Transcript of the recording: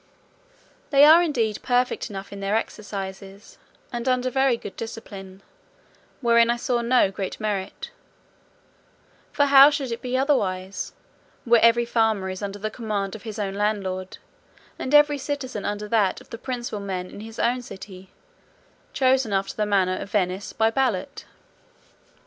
They are indeed perfect enough in their exercises, and under very good discipline, wherein I saw no great merit; for how should it be otherwise, where every farmer is under the command of his own landlord, and every citizen under that of the principal men in his own city, chosen after the manner of Venice, by ballot?